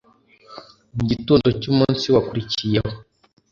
Mu gitondo cyumunsi wakurikiyeho